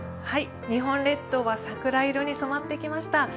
日本列島は桜色に染まってきました。